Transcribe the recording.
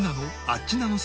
あっちなの？